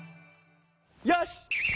よし！